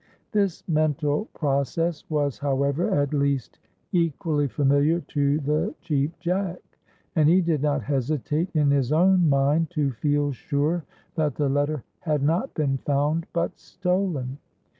This mental process was, however, at least equally familiar to the Cheap Jack, and he did not hesitate, in his own mind, to feel sure that the letter had not been found, but stolen.